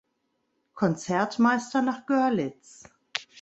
Konzertmeister nach Görlitz.